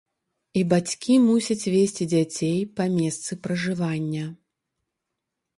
І бацькі мусяць весці дзяцей па месцы пражывання.